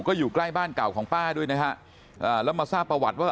ก็อยู่ใกล้บ้านเก่าของป้าด้วยนะฮะอ่าแล้วมาทราบประวัติว่า